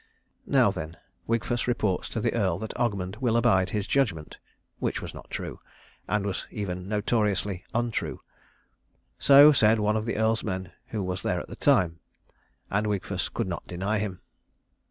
Now then, Wigfus reports to the Earl that Ogmund will abide his judgment which was not true, and was even notoriously untrue. So said one of the Earl's men who was there at the time, and Wigfus could not deny him.